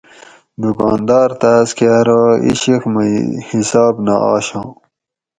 دُکاندار تاۤس کہ ارو عشق مئ حِساب نہ آشاں